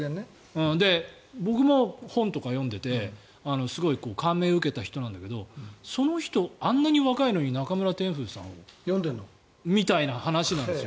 僕も本とか読んでてすごい感銘受けた人なんだけどあんなに若いのにナカムラ・テンフウさんを読んでいるみたいな話なんですよ。